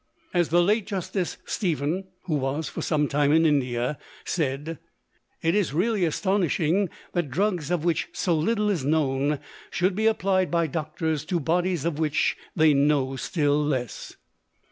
As the late Justice Stephen (who was for some time in India) said, it is really astonishing that drugs of which so little is known should be applied by doctors to bodies of which they know still less!